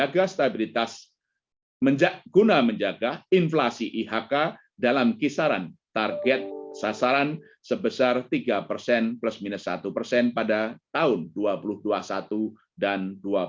menjaga stabilitas guna menjaga inflasi ihk dalam kisaran target sasaran sebesar tiga persen plus minus satu persen pada tahun dua ribu dua puluh satu dan dua ribu dua puluh satu